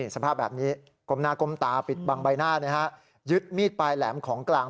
สภาพแบบนี้ก้มหน้าก้มตาปิดบังใบหน้ายึดมีดปลายแหลมของกลาง